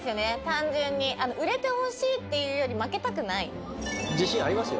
単純に売れてほしいっていうより負けたくない自信あります